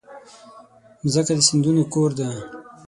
مځکه د سیندونو کور ده.